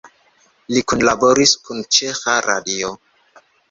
Li kunlaboris kun Ĉeĥa Radio.